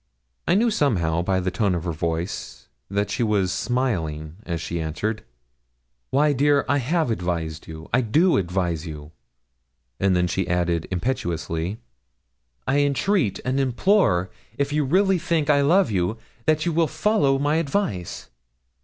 I knew somehow by the tone of her voice that she was smiling as she answered 'Why, dear, I have advised you; I do advise you;' and then she added, impetuously, 'I entreat and implore, if you really think I love you, that you will follow my advice.